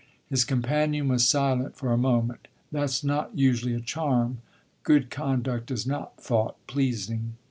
His companion was silent for a moment. "That 's not usually a charm; good conduct is not thought pleasing."